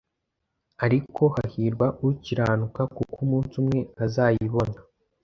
ariko hahirwa ukiranuka kuko umunsi umwe azayibona